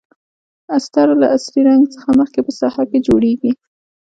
استر له اصلي رنګ څخه مخکې په ساحه کې جوړیږي.